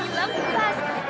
eh jangan dilepas